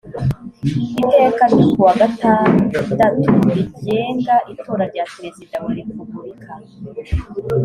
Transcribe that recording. iteka ryo kuwa gatandatu rigenga itora rya perezida wa repubulika